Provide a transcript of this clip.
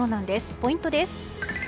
ポイントです。